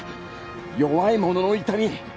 弱い者の痛み